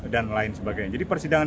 dan lain sebagainya jadi persidangan